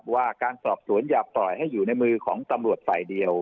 ว่าการสอบสวนอย่าปล่อยให้อยู่ในมือของตำรวจฝ่ายเดียว